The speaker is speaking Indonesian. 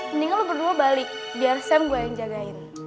mendingan lo berdua balik biar sam gue yang jagain